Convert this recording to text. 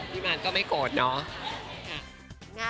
พี่มาสก็ไม่โกรธเนอะ